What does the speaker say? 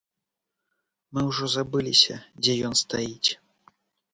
Мы ўжо забыліся, дзе ён стаіць.